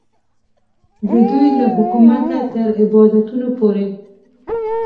د دوی له حکومته تر عبادتونو پورې.